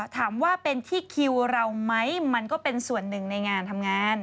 ถามว่าเป็นที่คิวเราไหมมันก็เป็นส่วนหนึ่งในงานทำงาน